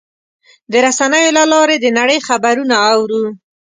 د رسنیو له لارې د نړۍ خبرونه اورو.